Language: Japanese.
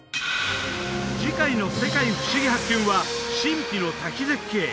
次回の「世界ふしぎ発見！」は神秘の滝絶景